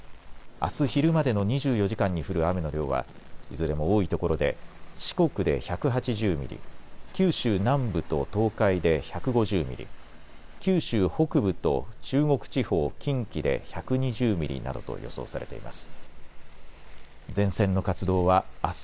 あす昼までの２４時間に降る雨の量はいずれも多いところで四国で１８０ミリ、九州南部と東海で１５０ミリ、九州北部と中国地方、近畿で１２０ミリなどと予想されています。